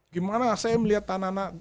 gimana saya melihat tanah tanah